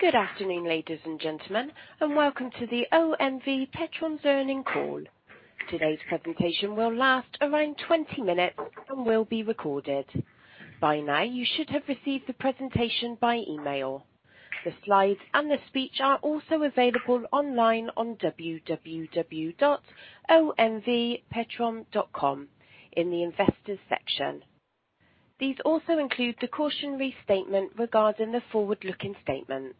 Good afternoon, ladies and gentlemen, and welcome to the OMV Petrom's earnings call. Today's presentation will last around 20 minutes and will be recorded. By now, you should have received the presentation by email. The slides and the speech are also available online on www.omvpetrom.com in the investors section. These also include the cautionary statement regarding the forward-looking statements.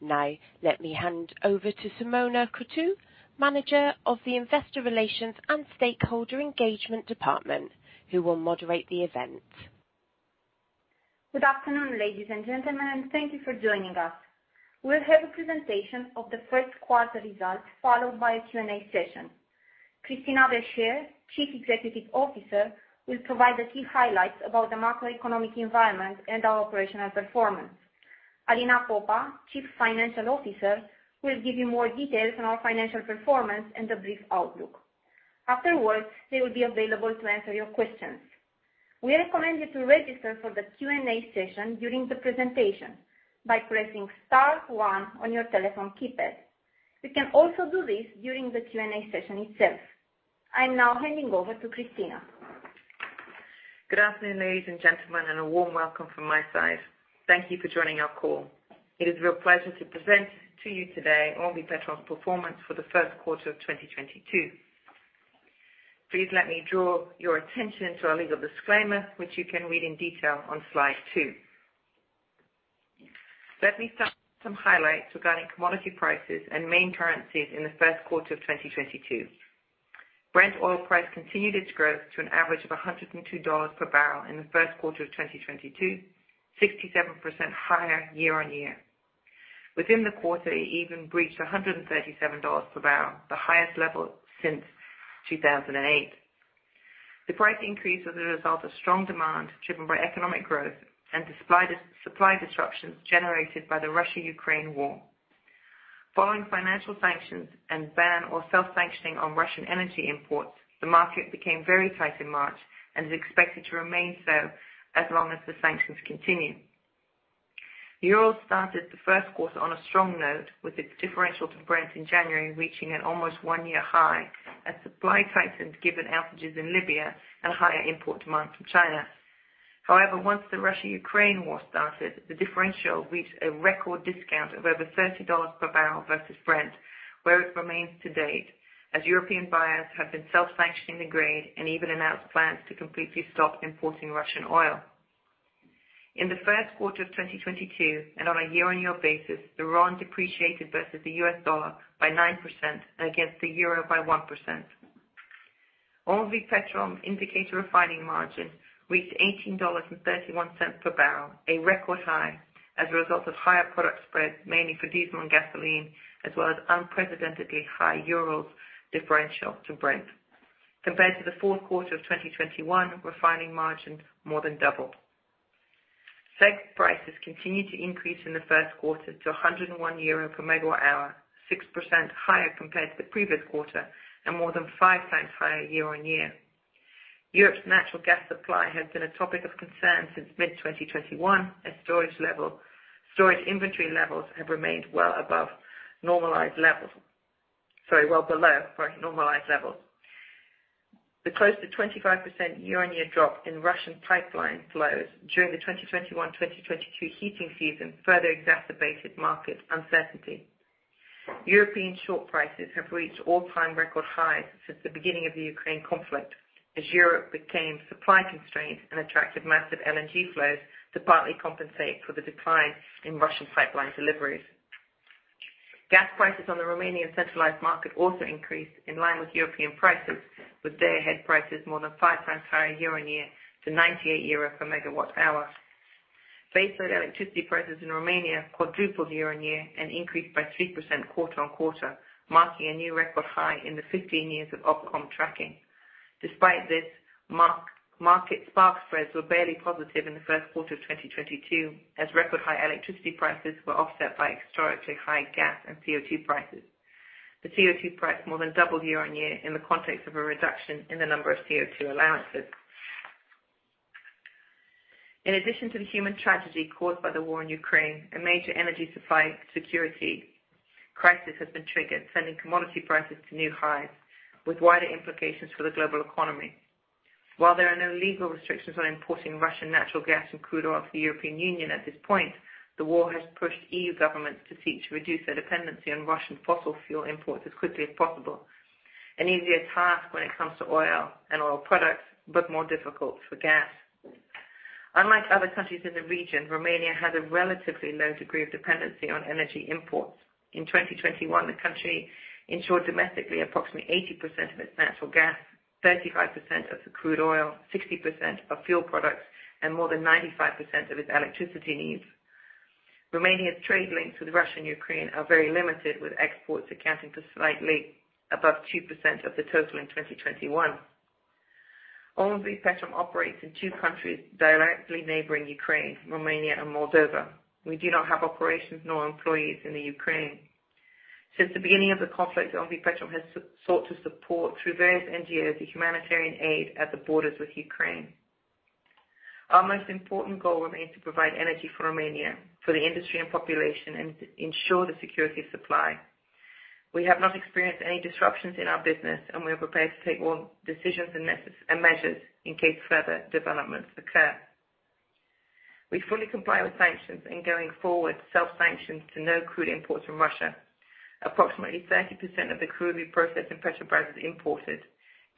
Now, let me hand over to Simona Crutu, Manager of the Investor Relations & Stakeholder Engagement Department, who will moderate the event. Good afternoon, ladies and gentlemen, and thank you for joining us. We'll have a presentation of the first quarter results, followed by a Q&A session. Christina Verchere, Chief Executive Officer, will provide the key highlights about the macroeconomic environment and our operational performance. Alina Popa, Chief Financial Officer, will give you more details on our financial performance and the brief outlook. Afterwards, they will be available to answer your questions. We recommend you to register for the Q&A session during the presentation by pressing star one on your telephone keypad. You can also do this during the Q&A session itself. I'm now handing over to Cristina. Good afternoon, ladies and gentlemen, and a warm welcome from my side. Thank you for joining our call. It is a real pleasure to present to you today OMV Petrom's performance for the first quarter of 2022. Please let me draw your attention to our legal disclaimer, which you can read in detail on slide two. Let me start with some highlights regarding commodity prices and main currencies in the first quarter of 2022. Brent oil price continued its growth to an average of $102 per barrel in the first quarter of 2022, 67% higher year-over-year. Within the quarter, it even breached $137 per barrel, the highest level since 2008. The price increase was a result of strong demand, driven by economic growth and supply disruptions generated by the Russia-Ukraine war. Following financial sanctions and ban or self-sanctioning on Russian energy imports, the market became very tight in March and is expected to remain so as long as the sanctions continue. Urals started the first quarter on a strong note with its differential to Brent in January, reaching an almost 1-year high as supply tightened given outages in Libya and higher import demand from China. However, once the Russia-Ukraine war started, the differential reached a record discount of over $30 per barrel versus Brent, where it remains to date, as European buyers have been self-sanctioning the grade and even announced plans to completely stop importing Russian oil. In the first quarter of 2022 and on a year-on-year basis, the ruble depreciated versus the US dollar by 9% and against the euro by 1%. OMV Petrom indicator refining margin reached $18.31 per barrel, a record high as a result of higher product spreads, mainly for diesel and gasoline, as well as unprecedentedly high Urals differential to Brent. Compared to the fourth quarter of 2021, refining margin more than doubled. CEGH prices continued to increase in the first quarter to 101 euro/MWh, 6% higher compared to the previous quarter and more than five times higher year-on-year. Europe's natural gas supply has been a topic of concern since mid-2021 as storage inventory levels have remained well below normalized level. The close to 25% year-on-year drop in Russian pipeline flows during the 2021/2022 heating season further exacerbated market uncertainty. European short prices have reached all-time record highs since the beginning of the Ukraine conflict, as Europe became supply constrained and attracted massive LNG flows to partly compensate for the decline in Russian pipeline deliveries. Gas prices on the Romanian centralized market also increased in line with European prices, with day-ahead prices more than five times higher year-on-year to 98 euro per megawatt hour. Base load electricity prices in Romania quadrupled year-on-year and increased by 3% quarter-on-quarter, marking a new record high in the 15 years of OPCOM tracking. Despite this, gas market spark spreads were barely positive in the first quarter of 2022, as record high electricity prices were offset by historically high gas and CO2 prices. The CO2 price more than doubled year-on-year in the context of a reduction in the number of CO2 allowances. In addition to the human tragedy caused by the war in Ukraine, a major energy supply security crisis has been triggered, sending commodity prices to new highs with wider implications for the global economy. While there are no legal restrictions on importing Russian natural gas and crude oil to the European Union at this point, the war has pushed EU governments to seek to reduce their dependency on Russian fossil fuel imports as quickly as possible. An easier task when it comes to oil and oil products, but more difficult for gas. Unlike other countries in the region, Romania has a relatively low degree of dependency on energy imports. In 2021, the country ensured domestically approximately 80% of its natural gas, 35% of the crude oil, 60% of fuel products, and more than 95% of its electricity needs. Romania's trade links with Russia and Ukraine are very limited, with exports accounting for slightly above 2% of the total in 2021. OMV Petrom operates in two countries directly neighboring Ukraine, Romania and Moldova. We do not have operations nor employees in Ukraine. Since the beginning of the conflict, OMV Petrom has sought to support, through various NGOs, the humanitarian aid at the borders with Ukraine. Our most important goal remains to provide energy for Romania, for the industry and population, and to ensure the security of supply. We have not experienced any disruptions in our business, and we are prepared to take all decisions and necessary measures in case further developments occur. We fully comply with sanctions and going forward, self-sanctions to no crude imports from Russia. Approximately 30% of the crude we process in Petrobrazi is imported.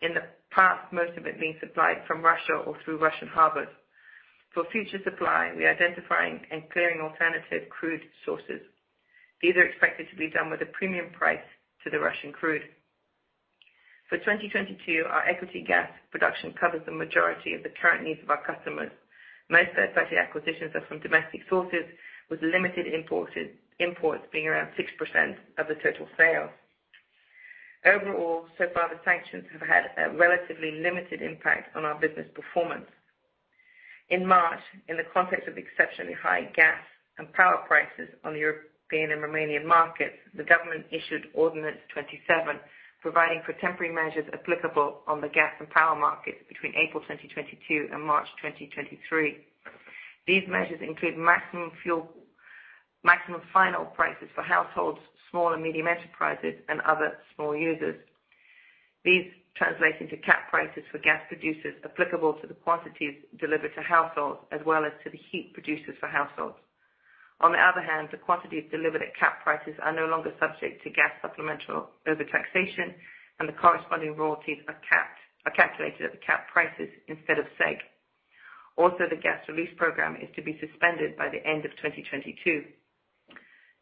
In the past, most of it being supplied from Russia or through Russian harbors. For future supply, we are identifying and clearing alternative crude sources. These are expected to be done with a premium price to the Russian crude. For 2022, our equity gas production covers the majority of the current needs of our customers. Most of the acquisitions are from domestic sources, with limited imported imports being around 6% of the total sales. Overall, so far, the sanctions have had a relatively limited impact on our business performance. In March, in the context of exceptionally high gas and power prices on the European and Romanian markets, the government issued Ordinance 27, providing for temporary measures applicable on the gas and power markets between April 2022 and March 2023. These measures include maximum fuel, maximum final prices for households, small and medium enterprises, and other small users. These translate into cap prices for gas producers applicable to the quantities delivered to households as well as to the heat producers for households. On the other hand, the quantities delivered at cap prices are no longer subject to gas supplemental overtaxation, and the corresponding royalties are capped, are calculated at the capped prices instead of SEG. Also, the gas release program is to be suspended by the end of 2022.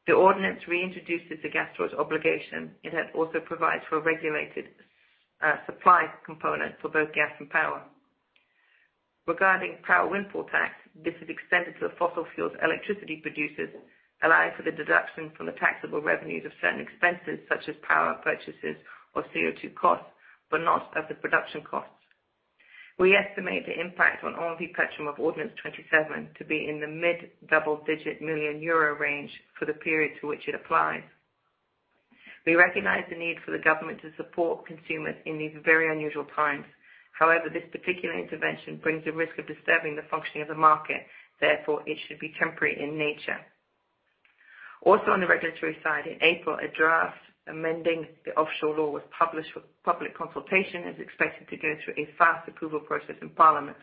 The ordinance reintroduces the gas storage obligation. It also provides for a regulated supply component for both gas and power. Regarding power windfall tax, this is extended to the fossil fuels electricity producers, allow for the deduction from the taxable revenues of certain expenses such as power purchases or CO2 costs, but not of the production costs. We estimate the impact on OMV Petrom of Ordinance 27 to be in the mid-double-digit million EUR range for the period to which it applies. We recognize the need for the government to support consumers in these very unusual times. However, this particular intervention brings a risk of disturbing the functioning of the market. Therefore, it should be temporary in nature. Also, on the regulatory side, in April, a draft amending the offshore law was published for public consultation and is expected to go through a fast approval process in parliament.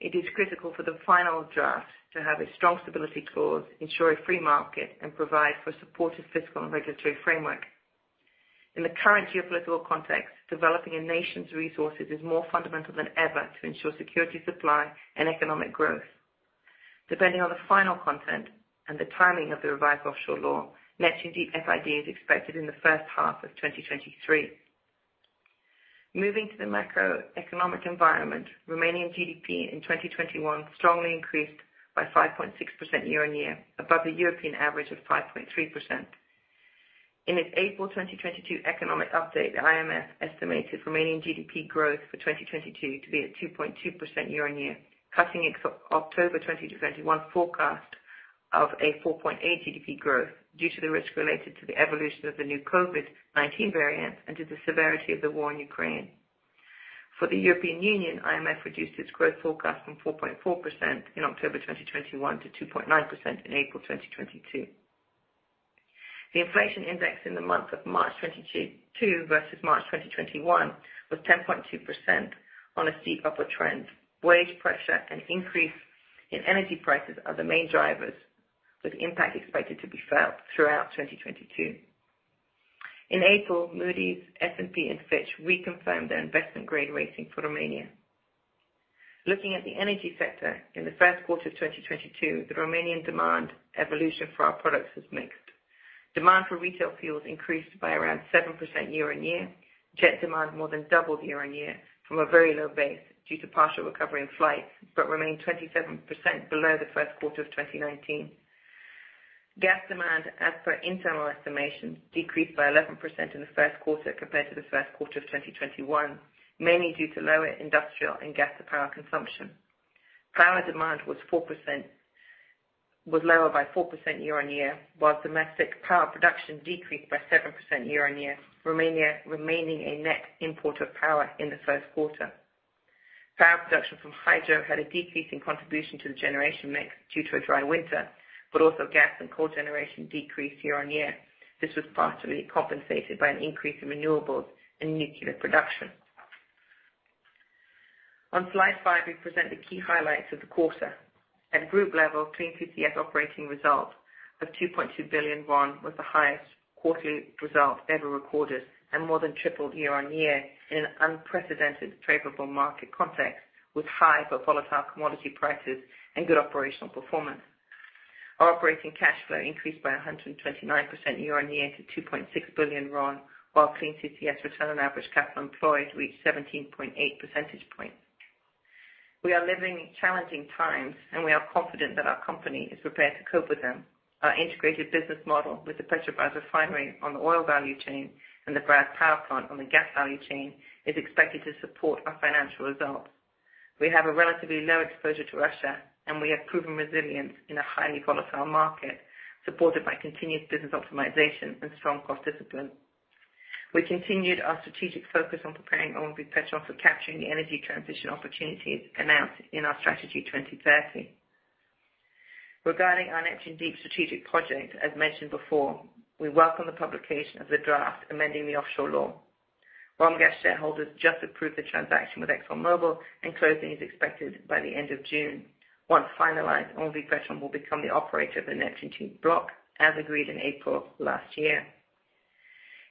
It is critical for the final draft to have a strong stability clause, ensure a free market, and provide for a supportive fiscal and regulatory framework. In the current geopolitical context, developing a nation's resources is more fundamental than ever to ensure security of supply and economic growth. Depending on the final content and the timing of the revised offshore law, Neptun Deep FID is expected in the first half of 2023. Moving to the macroeconomic environment, Romanian GDP in 2021 strongly increased by 5.6% year-on-year, above the European average of 5.3%. In its April 2022 economic update, the IMF estimated Romanian GDP growth for 2022 to be at 2.2% year-on-year, cutting its October 2021 forecast of a 4.8% GDP growth due to the risk related to the evolution of the new COVID-19 variant and to the severity of the war in Ukraine. For the European Union, IMF reduced its growth forecast from 4.4% in October 2021 to 2.9% in April 2022. The inflation index in the month of March 2022 versus March 2021 was 10.2% on a steep upper trend. Wage pressure and increase in energy prices are the main drivers, with impact expected to be felt throughout 2022. In April, Moody's, S&P, and Fitch reconfirmed their investment grade rating for Romania. Looking at the energy sector in the first quarter of 2022, the Romanian demand evolution for our products was mixed. Demand for retail fuels increased by around 7% year-on-year. Jet demand more than doubled year-on-year from a very low base due to partial recovery in flights, but remained 27% below the first quarter of 2019. Gas demand, as per internal estimation, decreased by 11% in the first quarter compared to the first quarter of 2021, mainly due to lower industrial and gas-to-power consumption. Power demand was lower by 4% year-on-year, while domestic power production decreased by 7% year-on-year. Romania remaining a net importer of power in the first quarter. Power production from hydro had a decrease in contribution to the generation mix due to a dry winter, but also gas and coal generation decreased year-on-year. This was partially compensated by an increase in renewables and nuclear production. On slide 5, we present the key highlights of the quarter. At group level, Clean CCS Operating Result of RON 2.2 billion was the highest quarterly result ever recorded and more than tripled year-on-year in an unprecedented favorable market context with high but volatile commodity prices and good operational performance. Our operating cash flow increased by 129% year-on-year to RON 2.6 billion, while Clean CCS Return on Average Capital Employed reached 17.8 percentage points. We are living in challenging times, and we are confident that our company is prepared to cope with them. Our integrated business model with the Petrobrazi refinery on the oil value chain and the Brazi power plant on the gas value chain is expected to support our financial results. We have a relatively low exposure to Russia, and we have proven resilience in a highly volatile market, supported by continued business optimization and strong cost discipline. We continued our strategic focus on preparing OMV Petrom for capturing the energy transition opportunities announced in our strategy 2030. Regarding our Neptun Deep strategic project, as mentioned before, we welcome the publication of the draft amending the offshore law. Romgaz shareholders just approved the transaction with ExxonMobil, and closing is expected by the end of June. Once finalized, OMV Petrom will become the operator of the Neptun Deep Block, as agreed in April last year.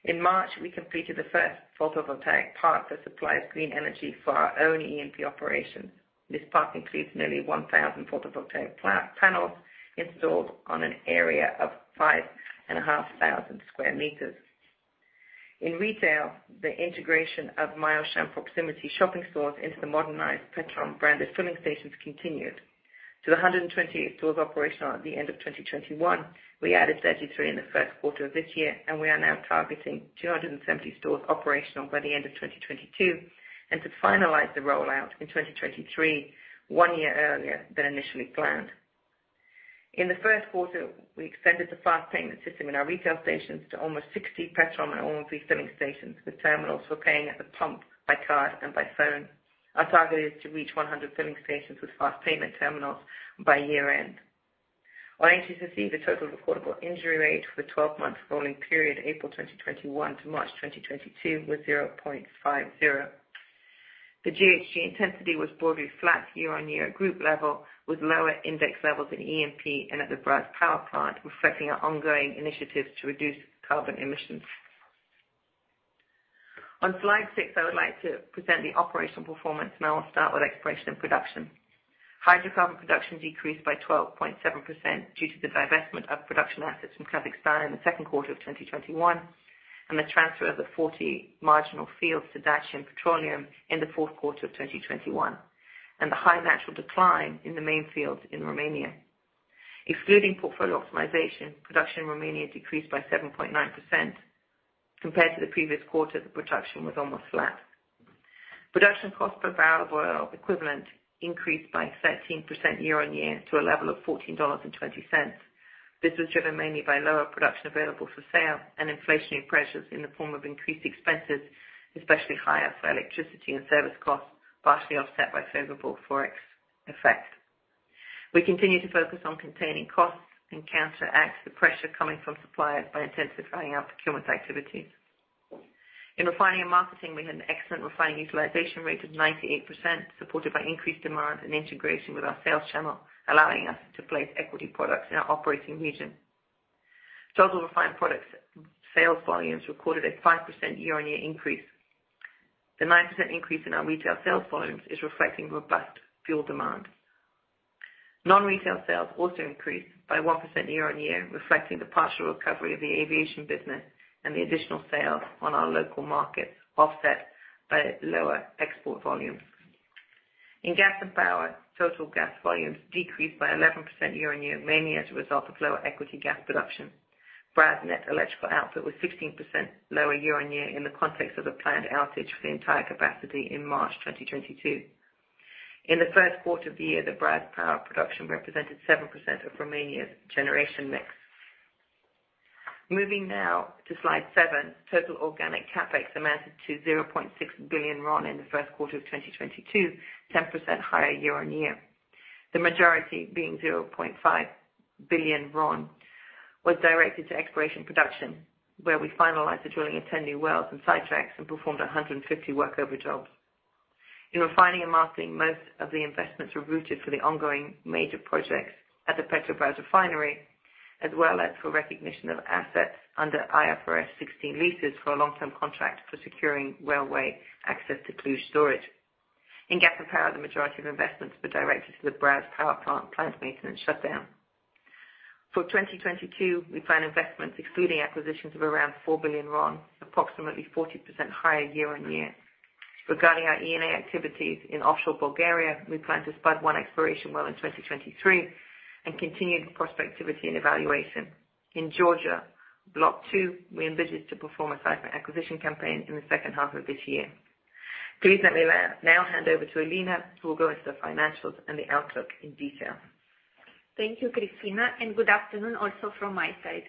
In March, we completed the first photovoltaic park that supplies green energy for our own E&P operation. This park includes nearly 1,000 photovoltaic panels installed on an area of 5,500 square meters. In retail, the integration of MyAuchan proximity shopping stores into the modernized Petrom-branded filling stations continued. To 120 stores operational at the end of 2021, we added 33 in the first quarter of this year, and we are now targeting 270 stores operational by the end of 2022, and to finalize the rollout in 2023, one year earlier than initially planned. In the first quarter, we extended the fast payment system in our retail stations to almost 60 Petrom and OMV filling stations, with terminals for paying at the pump by card and by phone. Our target is to reach 100 filling stations with fast payment terminals by year-end. Our company received a total recordable injury rate for the twelve-month rolling period, April 2021 to March 2022, was 0.50. The GHG intensity was broadly flat year-on-year at group level, with lower index levels in E&P and at the Brazi Power Plant, reflecting our ongoing initiatives to reduce carbon emissions. On slide 6, I would like to present the operational performance, and I will start with exploration and production. Hydrocarbon production decreased by 12.7% due to the divestment of production assets from Kazakhstan in the second quarter of 2021, and the transfer of the 40 marginal fields to Dacian Petroleum in the fourth quarter of 2021, and the high natural decline in the main fields in Romania. Excluding portfolio optimization, production in Romania decreased by 7.9%. Compared to the previous quarter, the production was almost flat. Production cost per barrel of oil equivalent increased by 13% year-on-year to a level of $14.20. This was driven mainly by lower production available for sale and inflationary pressures in the form of increased expenses, especially higher for electricity and service costs, partially offset by favorable Forex effect. We continue to focus on containing costs and counteract the pressure coming from suppliers by intensifying our procurement activities. In refining and marketing, we had an excellent refining utilization rate of 98%, supported by increased demand and integration with our sales channel, allowing us to place equity products in our operating region. Total refined products sales volumes recorded a 5% year-on-year increase. The 9% increase in our retail sales volumes is reflecting robust fuel demand. Non-retail sales also increased by 1% year-on-year, reflecting the partial recovery of the aviation business and the additional sales on our local markets, offset by lower export volumes. In gas and power, total gas volumes decreased by 11% year-on-year, mainly as a result of lower equity gas production. Brazi net electrical output was 16% lower year-on-year in the context of a planned outage for the entire capacity in March 2022. In the first quarter of the year, the Brazi Power production represented 7% of Romania's generation mix. Moving now to slide 7. Total organic CAPEX amounted to RON 0.6 billion in the first quarter of 2022, 10% higher year-on-year. The majority being RON 0.5 billion was directed to exploration production, where we finalized the drilling of 10 new wells and sidetracks and performed 150 workover jobs. In refining and marketing, most of the investments were routed to the ongoing major projects at the Petrobrazi Refinery, as well as for recognition of assets under IFRS 16 leases for a long-term contract for securing railway access to Cluj storage. In gas and power, the majority of investments were directed to the Brazi Power Plant, plant maintenance shutdown. For 2022, we plan investments excluding acquisitions of around RON 4 billion, approximately 40% higher year-on-year. Regarding our E&A activities in offshore Bulgaria, we plan to spud one exploration well in 2023 and continue the prospectivity and evaluation. In Georgia, block 2, we envisage to perform a seismic acquisition campaign in the second half of this year. Please let me now hand over to Alina Popa, who will go into the financials and the outlook in detail. Thank you, Christina, and good afternoon also from my side.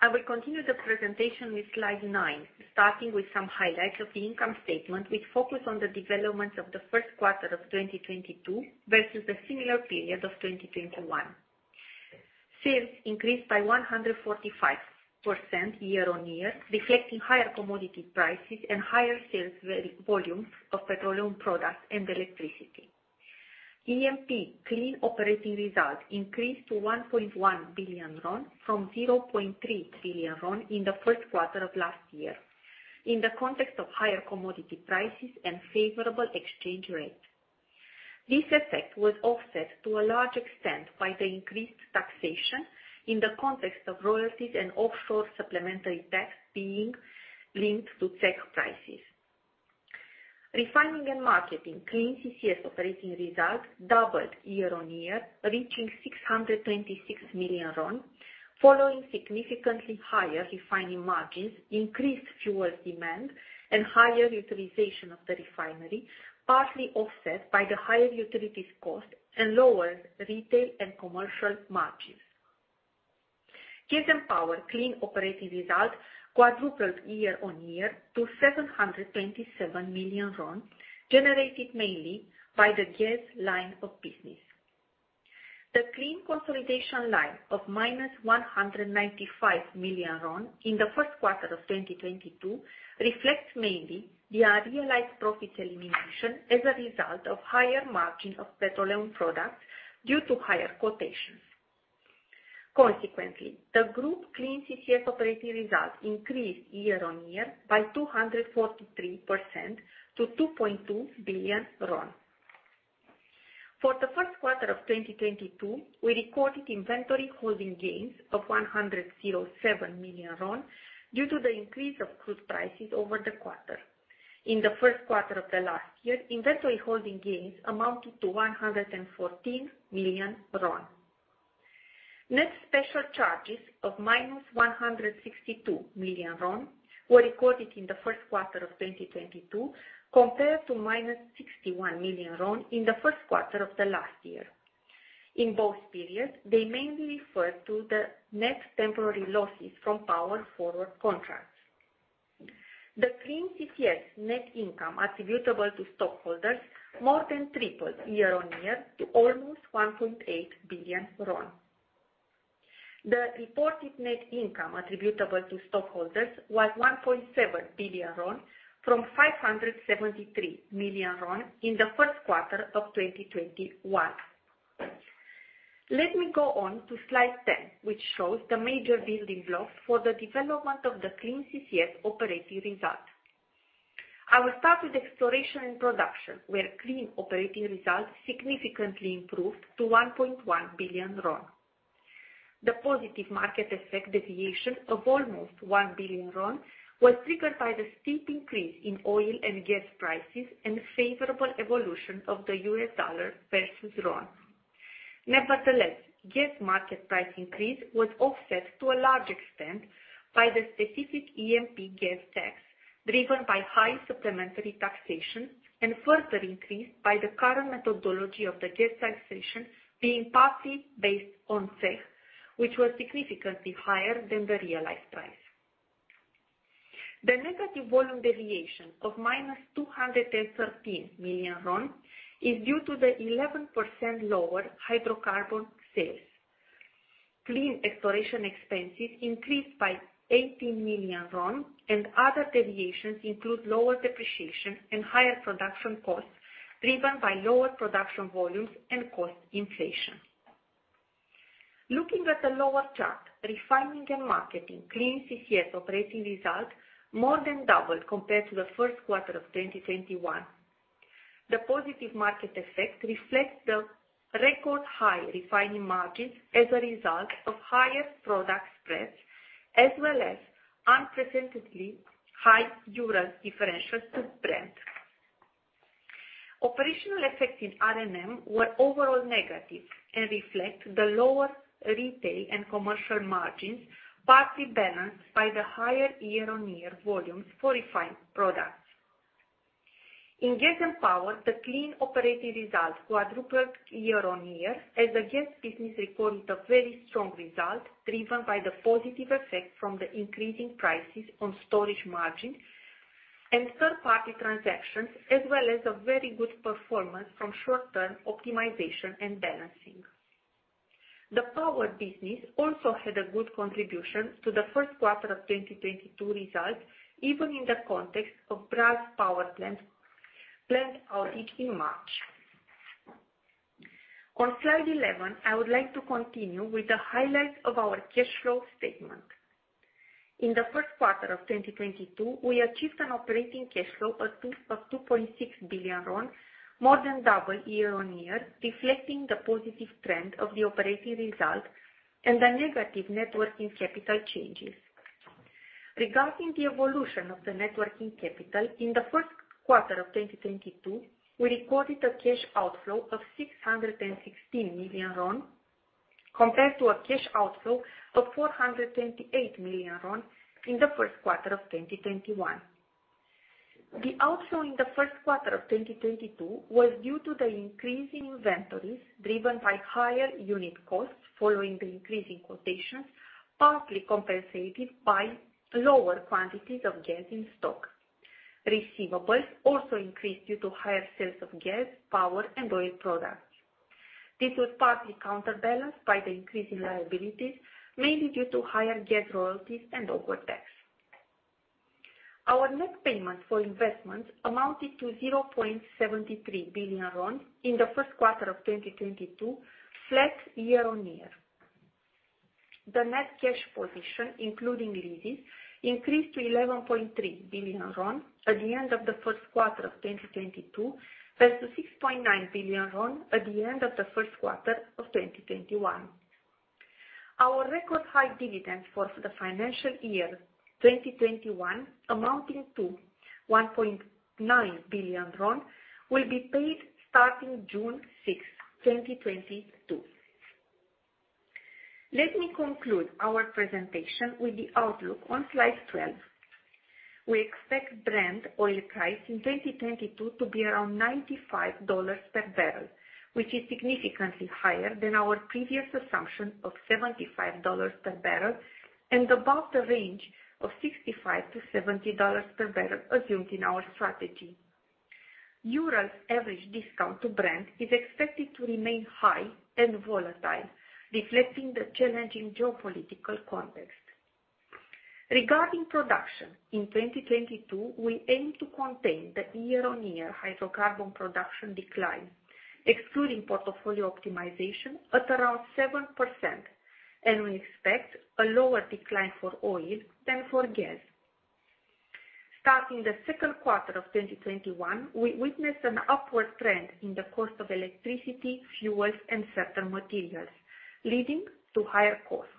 I will continue the presentation with slide nine, starting with some highlights of the income statement, with focus on the developments of the first quarter of 2022 versus the similar period of 2021. Sales increased by 145% year-on-year, reflecting higher commodity prices and higher sales volumes of petroleum products and electricity. E&P clean operating results increased to RON 1.1 billion from RON 0.3 billion in the first quarter of last year, in the context of higher commodity prices and favorable exchange rate. This effect was offset to a large extent by the increased taxation in the context of royalties and offshore supplementary tax being linked to TEK prices. Refining and marketing clean CCS operating results doubled year-on-year, reaching RON 626 million, following significantly higher refining margins, increased fuel demand, and higher utilization of the refinery, partly offset by the higher utilities cost and lower retail and commercial margins. Gas and power clean operating results quadrupled year-on-year to RON 727 million, generated mainly by the gas line of business. The clean consolidation line of RON -195 million in the first quarter of 2022 reflects mainly the realized profits elimination as a result of higher margin of petroleum products due to higher quotations. Consequently, the group clean CCS operating results increased year-on-year by 243% to RON 2.2 billion. For the first quarter of 2022, we recorded inventory holding gains of RON 107 million due to the increase of crude prices over the quarter. In the first quarter of the last year, inventory holding gains amounted to RON 114 million. Net special charges of -162 million RON were recorded in the first quarter of 2022 compared to -61 million RON in the first quarter of the last year. In both periods, they mainly refer to the net temporary losses from power forward contracts. The clean CCS net income attributable to stockholders more than tripled year-on-year to almost RON 1.8 billion. The reported net income attributable to stockholders was RON 1.7 billion from RON 573 million in the first quarter of 2021. Let me go on to slide 10, which shows the major building blocks for the development of the clean CCS operating results. I will start with exploration and production, where clean operating results significantly improved to RON 1.1 billion. The positive market effect deviation of almost RON 1 billion was triggered by the steep increase in oil and gas prices and favorable evolution of the U.S. dollar versus RON. Nevertheless, gas market price increase was offset to a large extent by the specific EMP gas tax, driven by high supplementary taxation and further increased by the current methodology of the gas taxation being partly based on FEZ, which was significantly higher than the realized price. The negative volume deviation of minus RON 213 million is due to the 11% lower hydrocarbon sales. Clean exploration expenses increased by RON 18 million and other deviations include lower depreciation and higher production costs, driven by lower production volumes and cost inflation. Looking at the lower chart, refining and marketing clean CCS operating results more than doubled compared to the first quarter of 2021. The positive market effect reflects the record high refining margins as a result of higher product spreads, as well as unprecedentedly high Urals differential to Brent. Operational effects in R&M were overall negative and reflect the lower retail and commercial margins, partly balanced by the higher year-on-year volumes for refined products. In gas and power, the clean operating results quadrupled year-on-year as the gas business recorded a very strong result driven by the positive effect from the increasing prices on storage margin and third-party transactions, as well as a very good performance from short-term optimization and balancing. The power business also had a good contribution to the first quarter of 2022 results, even in the context of Brazi power plant outage in March. On slide 11, I would like to continue with the highlights of our cash flow statement. In the first quarter of 2022, we achieved an operating cash flow of RON 2.6 billion, more than double year-on-year, reflecting the positive trend of the operating result and the negative net working capital changes. Regarding the evolution of the net working capital, in the first quarter of 2022, we recorded a cash outflow of RON 616 million compared to a cash outflow of RON 428 million in the first quarter of 2021. The outflow in the first quarter of 2022 was due to the increase in inventories driven by higher unit costs following the increase in quotations, partly compensated by lower quantities of gas in stock. Receivables also increased due to higher sales of gas, power, and oil products. This was partly counterbalanced by the increase in liabilities, mainly due to higher gas royalties and overtax. Our net payment for investments amounted to RON 0.73 billion in the first quarter of 2022, flat year-on-year. The net cash position, including leases, increased to RON 11.3 billion at the end of the first quarter of 2022 versus RON 6.9 billion at the end of the first quarter of 2021. Our record high dividend for the financial year 2021 amounting to RON 1.9 billion will be paid starting June 6, 2022. Let me conclude our presentation with the outlook on slide 12. We expect Brent oil price in 2022 to be around $95 per barrel, which is significantly higher than our previous assumption of $75 per barrel and above the range of $65-$70 per barrel assumed in our strategy. Urals average discount to Brent is expected to remain high and volatile, reflecting the challenging geopolitical context. Regarding production, in 2022, we aim to contain the year-on-year hydrocarbon production decline, excluding portfolio optimization at around 7%, and we expect a lower decline for oil than for gas. Starting the second quarter of 2021, we witnessed an upward trend in the cost of electricity, fuels, and certain materials, leading to higher costs.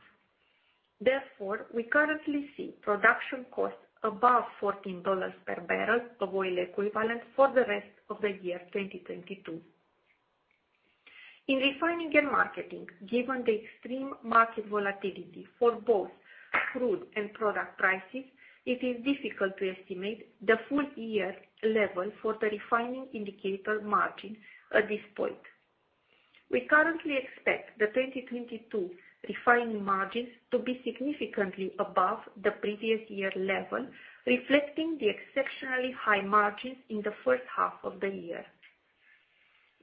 Therefore, we currently see production costs above $14 per barrel of oil equivalent for the rest of the year 2022. In refining and marketing, given the extreme market volatility for both crude and product prices, it is difficult to estimate the full year level for the refining indicator margin at this point. We currently expect the 2022 refining margins to be significantly above the previous year level, reflecting the exceptionally high margins in the first half of the year.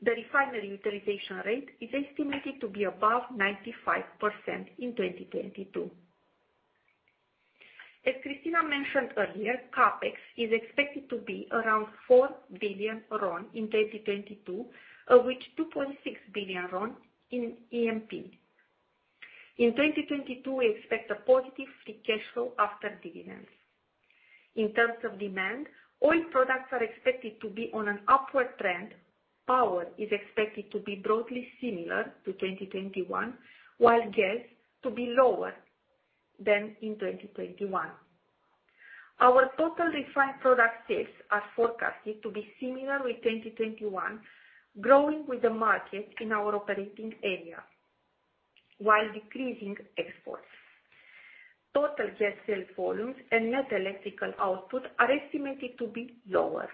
The refinery utilization rate is estimated to be above 95% in 2022. Cristina mentioned earlier, CAPEX is expected to be around RON 4 billion in 2022, of which RON 2.6 billion in E&P. In 2022, we expect a positive free cash flow after dividends. In terms of demand, oil products are expected to be on an upward trend. Power is expected to be broadly similar to 2021, while gas to be lower than in 2021. Our total refined product sales are forecasted to be similar with 2021, growing with the market in our operating area while decreasing exports. Total gas sales volumes and net electrical output are estimated to be lower.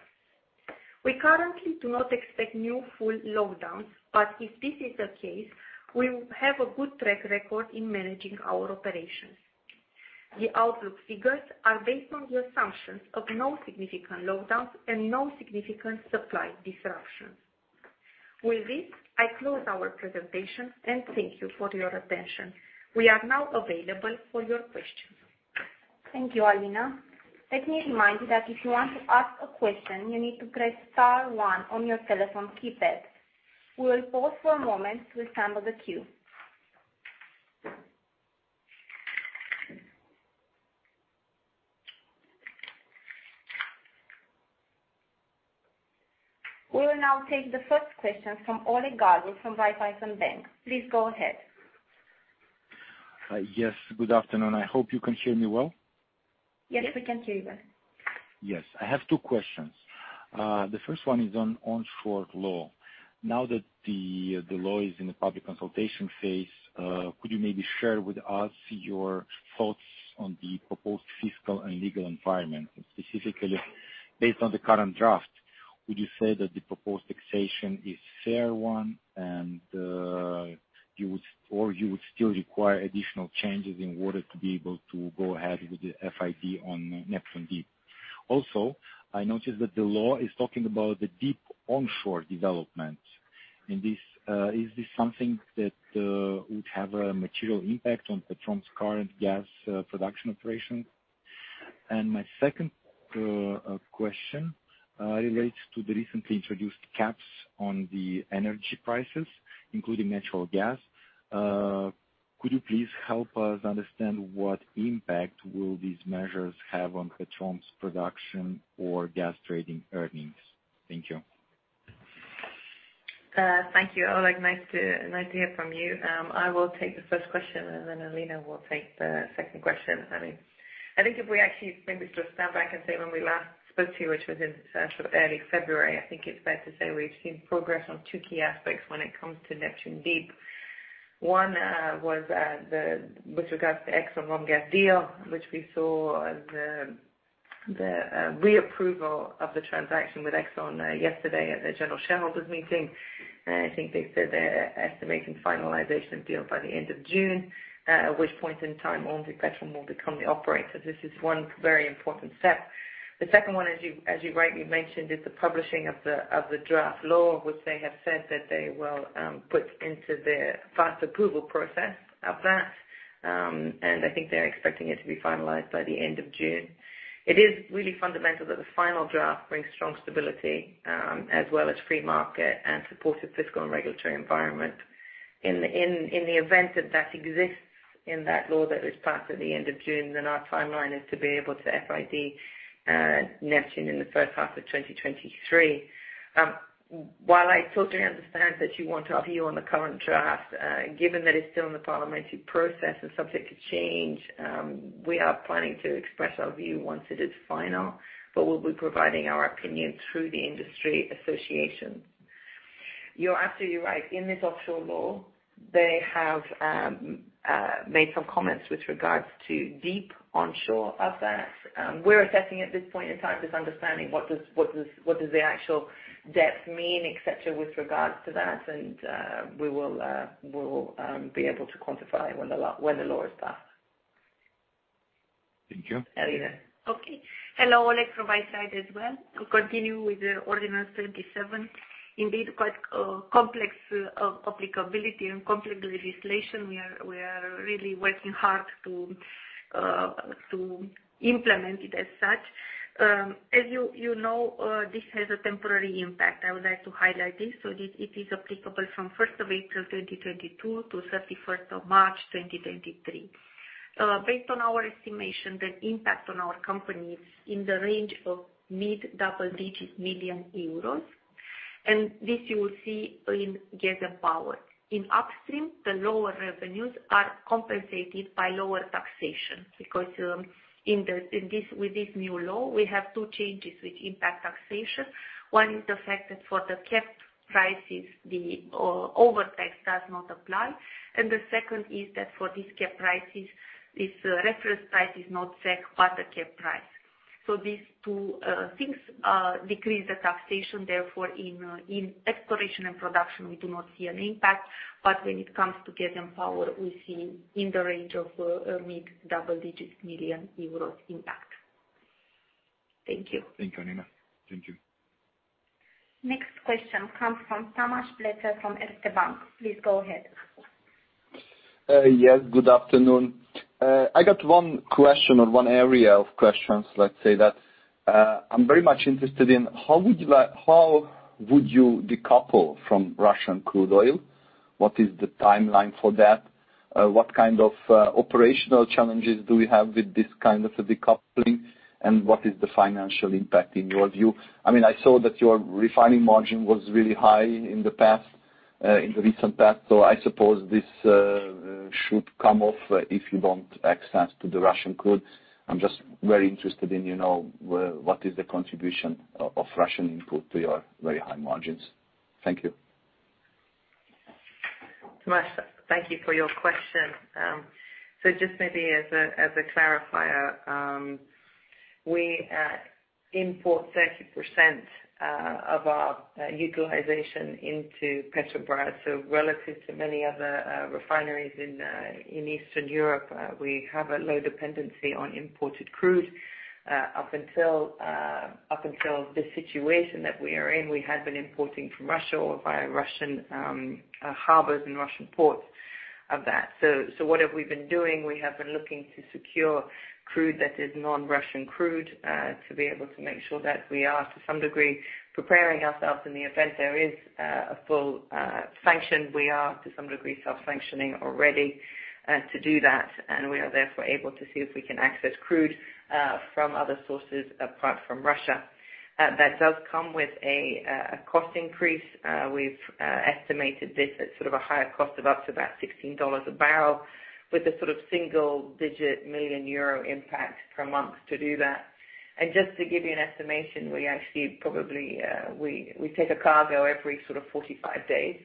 We currently do not expect new full lockdowns, but if this is the case, we have a good track record in managing our operations. The outlook figures are based on the assumptions of no significant lockdowns and no significant supply disruptions. With this, I close our presentation and thank you for your attention. We are now available for your questions. Thank you, Alina. Let me remind you that if you want to ask a question, you need to press star one on your telephone keypad. We will pause for a moment to assemble the queue. We will now take the first question from Oleg Galbur from Raiffeisen Centrobank. Please go ahead. Yes, good afternoon. I hope you can hear me well. Yes, we can hear you. Yes. I have two questions. The first one is on offshore law. Now that the law is in the public consultation phase, could you maybe share with us your thoughts on the proposed fiscal and legal environment? Specifically based on the current draft, would you say that the proposed taxation is fair one, or you would still require additional changes in order to be able to go ahead with the FID on Neptun Deep? Also, I noticed that the law is talking about the deep offshore development, and this is this something that would have a material impact on Petrom's current gas production operations? My second question relates to the recently introduced caps on the energy prices, including natural gas. Could you please help us understand what impact will these measures have on Petrom's production or gas trading earnings? Thank you. Thank you, Oleg. Nice to hear from you. I will take the first question, and then Alina will take the second question. I mean, I think if we actually maybe just stand back and say when we last spoke to you, which was in sort of early February, I think it's fair to say we've seen progress on two key aspects when it comes to Neptun Deep. One was with regards to ExxonMobil Romgaz deal, which we saw the reapproval of the transaction with ExxonMobil yesterday at the general shareholders meeting. I think they said they're estimating finalization of deal by the end of June at which point in time OMV Petrom will become the operator. This is one very important step. The second one, as you rightly mentioned, is the publishing of the draft law, which they have said that they will put into their fast approval process of that. I think they're expecting it to be finalized by the end of June. It is really fundamental that the final draft brings strong stability, as well as free market and supportive fiscal and regulatory environment. In the event that exists in that law that is passed at the end of June, then our timeline is to be able to FID Neptun in the first half of 2023. While I totally understand that you want our view on the current draft, given that it's still in the parliamentary process and subject to change, we are planning to express our view once it is final, but we'll be providing our opinion through the industry association. You're absolutely right. In this offshore law, they have made some comments with regards to deep onshore of that. We're assessing at this point in time, just understanding what does the actual depth mean, et cetera, with regards to that. We will be able to quantify when the law is passed. Thank you. Elena. Hello, Oleg, from my side as well. To continue with the Ordinance 27, indeed, quite complex applicability and complex legislation. We are really working hard to implement it as such. As you know, this has a temporary impact. I would like to highlight this. This, it is applicable from first of April, 2022 to thirty-first of March, 2023. Based on our estimation, the impact on our company is in the range of mid-double-digit million EUR, and this you will see in gas and power. In upstream, the lower revenues are compensated by lower taxation because in this, with this new law, we have two changes which impact taxation. One is the fact that for the capped prices, the over tax does not apply. The second is that for these capped prices, this reference price is not set by the capped price. These two things decrease the taxation, therefore in exploration and production, we do not see an impact. When it comes to gas and power, we see in the range of mid-double-digit million EUR impact. Thank you. Thank you, Alina Popa. Thank you. Next question comes from Tamas Pletser from Erste Bank. Please go ahead. Yes, good afternoon. I got one question or one area of questions, let's say that, I'm very much interested in how would you decouple from Russian crude oil? What is the timeline for that? What kind of operational challenges do we have with this kind of a decoupling, and what is the financial impact in your view? I mean, I saw that your refining margin was really high in the past, in the recent past, so I suppose this should come off if you don't have access to the Russian crude. I'm just very interested in, you know, what is the contribution of Russian input to your very high margins. Thank you. Tamas, thank you for your question. Just maybe as a clarifier, we import 30% of our utilization into Petrobrazi. Relative to many other refineries in Eastern Europe, we have a low dependency on imported crude. Up until the situation that we are in, we had been importing from Russia or via Russian harbors and Russian ports of that. What have we been doing? We have been looking to secure crude that is non-Russian crude to be able to make sure that we are, to some degree, preparing ourselves in the event there is a full sanction. We are, to some degree, self-sanctioning already to do that. We are therefore able to see if we can access crude from other sources apart from Russia. That does come with a cost increase. We've estimated this at sort of a higher cost of up to about $16 a barrel with a sort of single-digit million EUR impact per month to do that. Just to give you an estimation, we actually probably take a cargo every sort of 45 days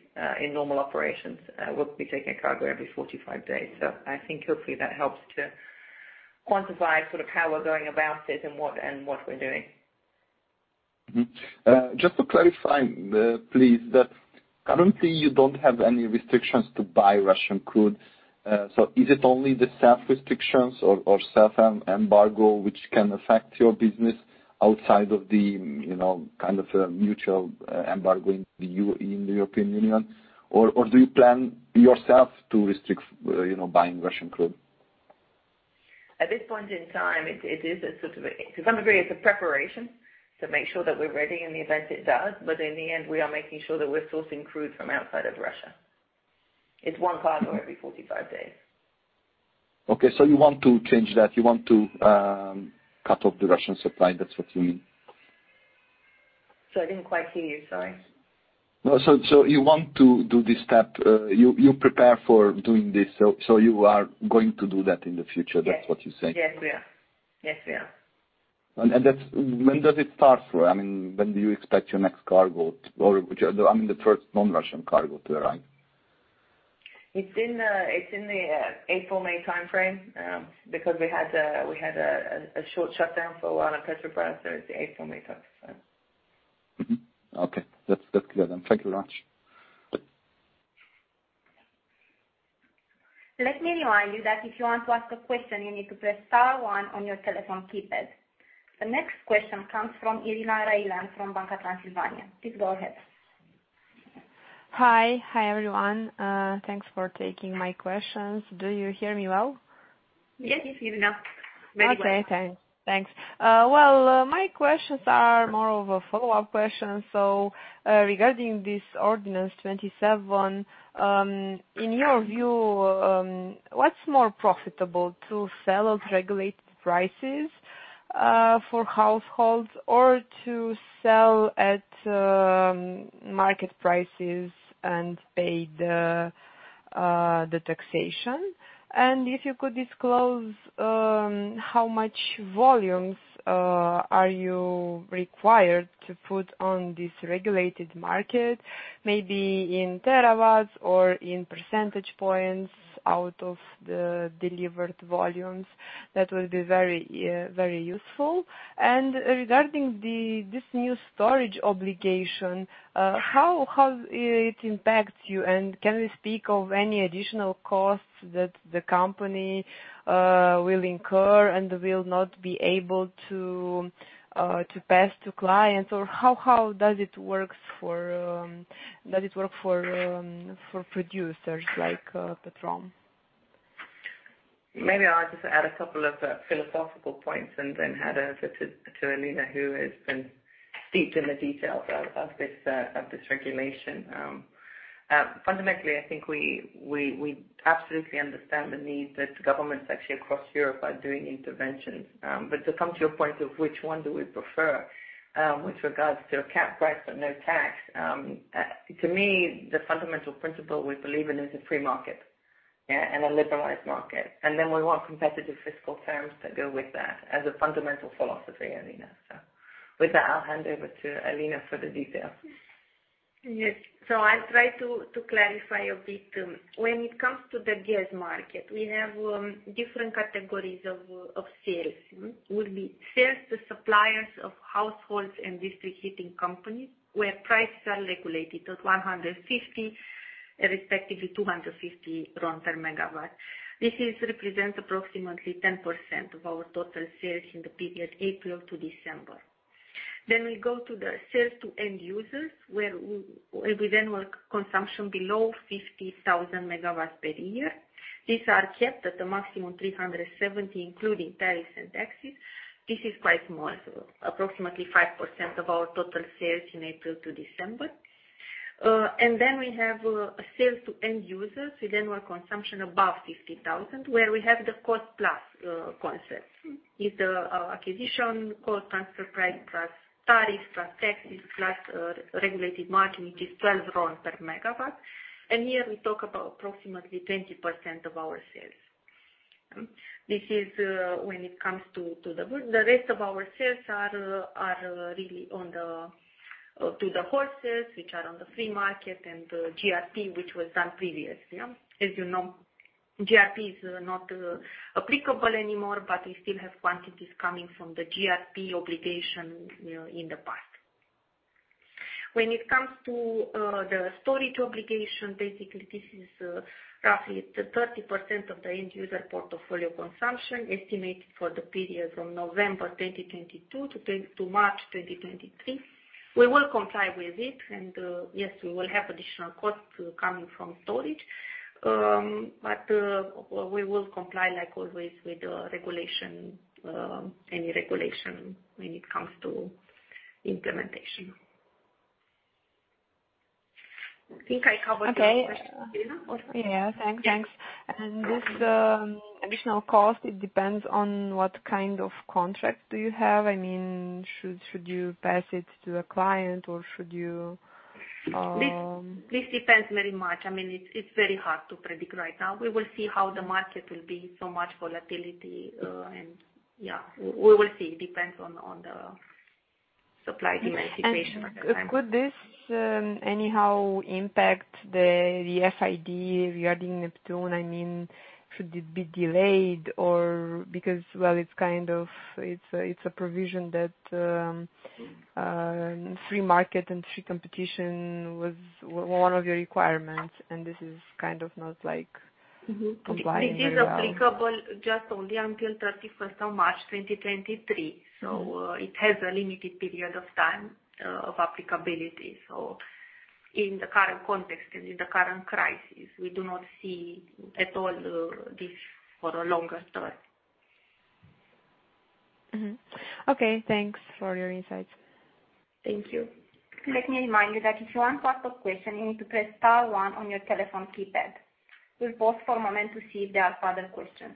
in normal operations. We'll be taking a cargo every 45 days. I think hopefully that helps to quantify sort of how we're going about it and what we're doing. Just to clarify, please, that currently you don't have any restrictions to buy Russian crude. So is it only the self-restrictions or self-embargo which can affect your business outside of the, you know, kind of a mutual embargo in the EU, in the European Union? Or do you plan yourself to restrict, you know, buying Russian crude? At this point in time, it is to some degree a preparation to make sure that we're ready in the event it does. In the end, we are making sure that we're sourcing crude from outside of Russia. It's one cargo every 45 days. Okay. You want to change that. You want to cut off the Russian supply. That's what you mean? Sorry, I didn't quite hear you. Sorry. No. You want to do this step. You prepare for doing this. You are going to do that in the future. Yes. That's what you're saying. Yes, we are. When does it start, or I mean, when do you expect your next cargo or which, I mean, the first non-Russian cargo to arrive? It's in the April-May timeframe, because we had a short shutdown for a while at Petrobrazi, so it's the April-May timeframe. Mm-hmm. Okay. That's clear then. Thank you very much. Let me remind you that if you want to ask a question, you need to press star one on your telephone keypad. The next question comes from Irina Răilean from Banca Transilvania. Please go ahead. Hi. Hi, everyone. Thanks for taking my questions. Do you hear me well? Yes. Yes, Irina. Very well. Okay. Thanks. My questions are more of a follow-up question. So, regarding this Ordinance 27, in your view, what's more profitable to sell at regulated prices for households or to sell at market prices and pay the taxation. And if you could disclose how much volumes are you required to put on this regulated market, maybe in terawatts or in percentage points out of the delivered volumes. That will be very useful. And regarding this new storage obligation, how it impacts you? And can we speak of any additional costs that the company will incur and will not be able to pass to clients? Or how does it work for producers like Petrom? Maybe I'll just add a couple of philosophical points and then hand over to Alina, who has been deep in the details of this regulation. Fundamentally, I think we absolutely understand the need that governments actually across Europe are doing interventions. But to come to your point of which one do we prefer, with regards to a cap price but no tax, to me, the fundamental principle we believe in is a free market, yeah, and a liberalized market. And then we want competitive fiscal terms that go with that as a fundamental philosophy, Alina. With that, I'll hand over to Alina for the details. Yes. I'll try to clarify a bit. When it comes to the gas market, we have different categories of sales. Would be sales to suppliers of households and district heating companies, where prices are regulated at RON 150, respectively RON 250 per megawatt. This represents approximately 10% of our total sales in the period April to December. We go to the sales to end users, where with consumption below 50,000 megawatts per year. These are capped at a maximum RON 370, including tariffs and taxes. This is quite small, so approximately 5% of our total sales in April to December. We have sales to end users with annual consumption above 50,000, where we have the cost plus concept. Is the acquisition cost, transfer price, plus tariffs, plus taxes, plus regulated margin, which is 12 RON per megawatt. Here we talk about approximately 20% of our sales. This is when it comes to the rest of our sales are really on the wholesale, which are on the free market, and the GRP, which was done previous, yeah. As you know, GRP is not applicable anymore, but we still have quantities coming from the GRP obligation, you know, in the past. When it comes to the storage obligation, basically this is roughly 30% of the end user portfolio consumption estimated for the period from November 2022 to March 2023. We will comply with it. Yes, we will have additional costs coming from storage. We will comply, like always, with the regulation, any regulation when it comes to implementation. I think I covered your question, Alina. Okay. Yeah. Thanks. This additional cost, it depends on what kind of contract do you have. I mean, should you pass it to a client or should you This depends very much. I mean, it's very hard to predict right now. We will see how the market will be, so much volatility, and we will see. Depends on the supply-demand situation at the time. Could this anyhow impact the FID regarding Neptun Deep? I mean, should it be delayed or. Well, it's kind of, it's a provision that free market and free competition was one of your requirements, and this is kind of not likely complying right now. This is applicable just only until 31st of March 2023. It has a limited period of time of applicability. In the current context and in the current crisis, we do not see at all this for a longer term. Okay, thanks for your insights. Thank you. Let me remind you that if you want to ask a question, you need to press star one on your telephone keypad. We'll pause for a moment to see if there are further questions.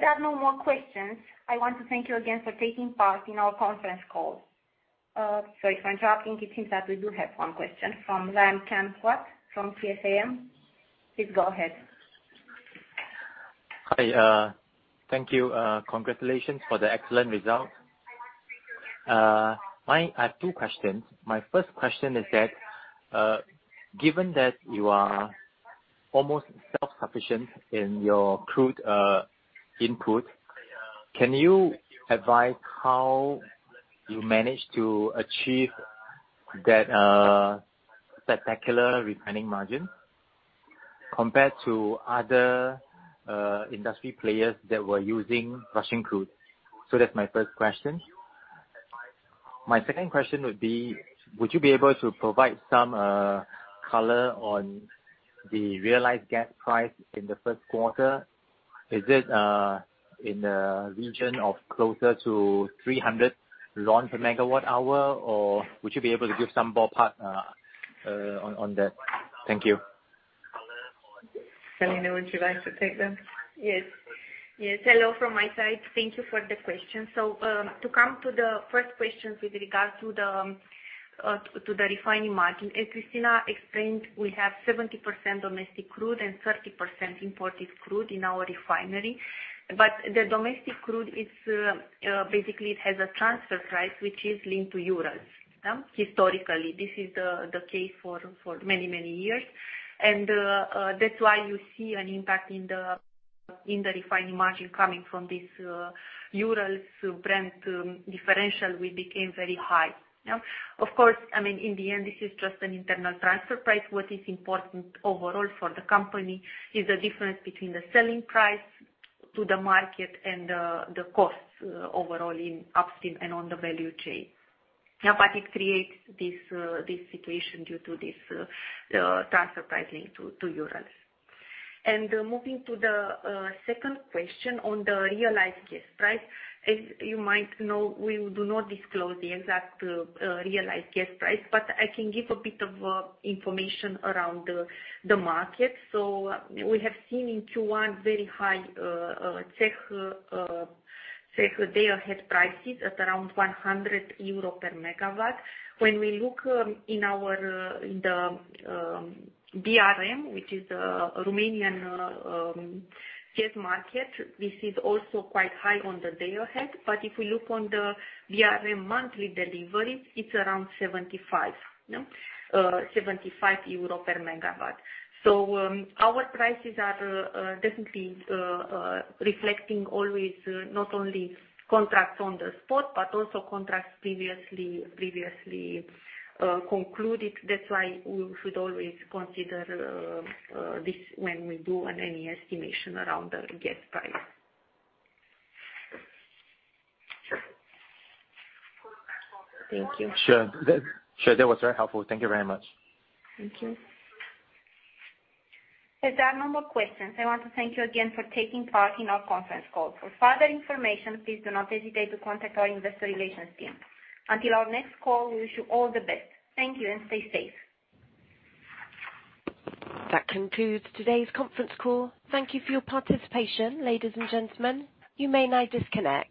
If there are no more questions, I want to thank you again for taking part in our conference call. Sorry for interrupting. It seems that we do have one question from Lam Khang Swat from C-SAM. Please go ahead. Hi. Thank you. Congratulations for the excellent result. I have two questions. My first question is that, given that you are almost self-sufficient in your crude input, can you advise how you managed to achieve that spectacular refining margin compared to other industry players that were using Russian crude? That's my first question. My second question would be, would you be able to provide some color on the realized gas price in the first quarter? Is it in the region of closer to 300 RON per megawatt hour, or would you be able to give some ballpark on that? Thank you. Alina Popa, would you like to take that? Yes. Yes. Hello from my side. Thank you for the question. To come to the first question with regard to the refining margin, as Cristina explained, we have 70% domestic crude and 30% imported crude in our refinery. The domestic crude basically has a transfer price which is linked to Urals, yeah. Historically, this is the case for many years. That's why you see an impact in the refining margin coming from this Urals-Brent differential which became very high. Yeah. Of course, I mean, in the end, this is just an internal transfer price. What is important overall for the company is the difference between the selling price to the market and the costs overall in upstream and on the value chain. Now that it creates this situation due to this transfer pricing to Urals. Moving to the second question on the realized gas price. As you might know, we do not disclose the exact realized gas price, but I can give a bit of information around the market. We have seen in Q1 very high CEGH day-ahead prices at around 100 euro per megawatt hour. When we look in our BRM, which is Romanian gas market, this is also quite high on the day-ahead. But if we look on the BRM monthly delivery, it's around 75 EUR per megawatt hour. Our prices are definitely reflecting always not only contracts on the spot but also contracts previously concluded. That's why we should always consider this when we do any estimation around the gas price. Thank you. Sure. That was very helpful. Thank you very much. Thank you. As there are no more questions, I want to thank you again for taking part in our conference call. For further information, please do not hesitate to contact our investor relations team. Until our next call, we wish you all the best. Thank you, and stay safe. That concludes today's conference call. Thank you for your participation, ladies and gentlemen. You may now disconnect.